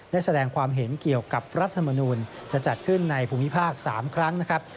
ได้แสดงความเห็นเกี่ยวกับรัฐมนูลจะจัดขึ้นในภูมิภาค๓ครั้งนะครับ